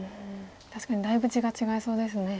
確かにだいぶ地が違いそうですね。